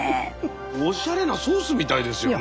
おしゃれなソースみたいですよね？